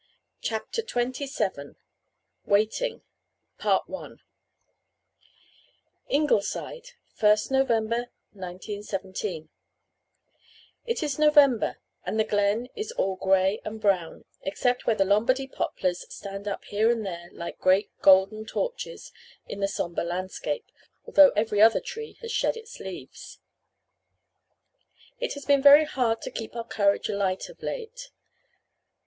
CHAPTER XXVII WAITING Ingleside, 1st November 1917 "It is November and the Glen is all grey and brown, except where the Lombardy poplars stand up here and there like great golden torches in the sombre landscape, although every other tree has shed its leaves. It has been very hard to keep our courage alight of late.